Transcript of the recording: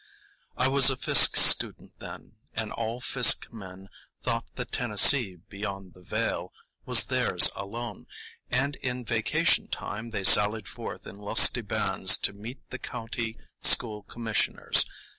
I was a Fisk student then, and all Fisk men thought that Tennessee—beyond the Veil—was theirs alone, and in vacation time they sallied forth in lusty bands to meet the county school commissioners.